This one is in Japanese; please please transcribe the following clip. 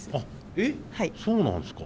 えっそうなんですか。